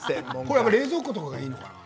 冷蔵庫がいいのかな？